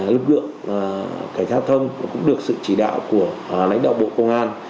lực lượng cảnh sát giao thông cũng được sự chỉ đạo của lãnh đạo bộ công an